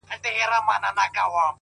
د هغوی څټ د جبرائيل د لاس لرگی غواړي __